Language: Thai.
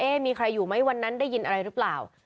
มีใครอยู่ไหมวันนั้นได้ยินอะไรหรือเปล่า